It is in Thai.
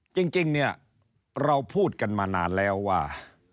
จริงเนี่ยเราพูดกันมานานแล้วว่า